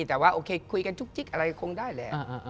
แต่ว่าโอเคคุยกันจุ๊กจิ๊กอะไรคงได้แหละ